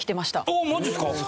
あっマジっすか！